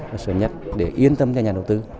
và sớm nhất để yên tâm cho nhà đầu tư